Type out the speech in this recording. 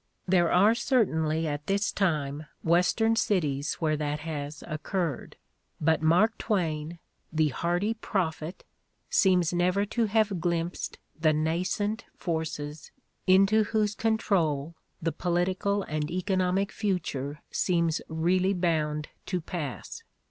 There are certainly at this time "Western cities where that has occurred, but Mark Twain, the hardy prophet, seems never to have glimpsed the nascent forces into whose control the political and economic future seems really bound to pass.